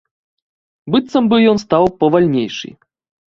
Быццам бы ён стаў павальнейшы.